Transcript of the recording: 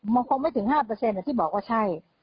มันคงไม่ถึง๕ที่บอกว่าใช่